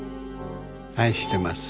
愛してます。